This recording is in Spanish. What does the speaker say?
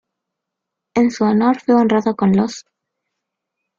En su honor fue honrado con los